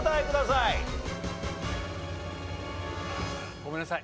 ごめんなさい。